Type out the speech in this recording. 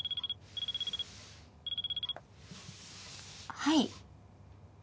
はい。